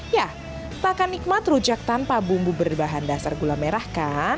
ya takkan nikmat rujak tanpa bumbu berbahan dasar gula merah kan